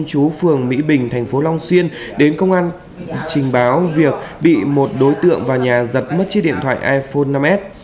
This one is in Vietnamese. quân mỹ bình tp long xuyên đến công an trình báo việc bị một đối tượng vào nhà giật mất chiếc điện thoại iphone năm s